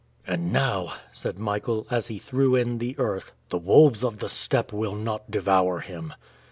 "And now," said Michael, as he threw in the earth, "the wolves of the steppe will not devour him."